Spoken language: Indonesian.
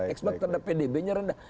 expert terhadap pdb nya rendah